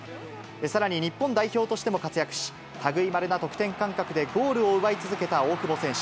さらに、日本代表としても活躍し、たぐいまれな得点感覚でゴールを奪い続けた大久保選手。